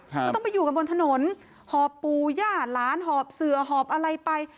ก็ต้องไปอยู่กันบนถนนหอบปู่ย่าหลานหอบเสือหอบอะไรไป